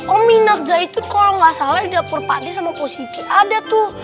oh minyak zaitun kalau nggak salah di dapur pak nis sama kak siki ada tuh